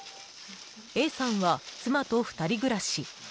Ａさんは妻と２人暮らし。